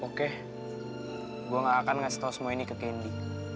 oke gue gak akan ngasih tau semua ini ke kendi